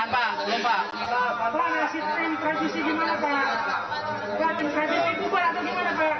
pak transisi berubah atau gimana pak